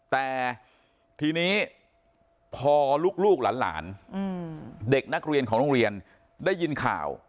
แต่ทีนี้พอลูกหลานเด็กนักเรียนของโรงเรียนได้ยินข่าว